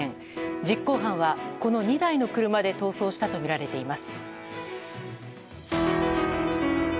実行犯は、この２台の車で逃走したとみられています。